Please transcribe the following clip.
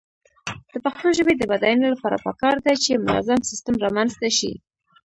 د پښتو ژبې د بډاینې لپاره پکار ده چې منظم سیسټم رامنځته شي.